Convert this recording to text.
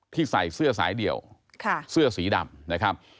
ที่ใส่เสื้อสายเดี่ยวเสื้อสีดำ